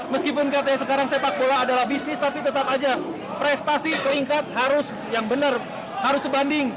meskipun katanya sekarang sepak bola adalah bisnis tapi tetap aja prestasi peringkat harus yang benar harus sebanding